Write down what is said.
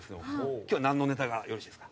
今日は、なんのネタがよろしいですか？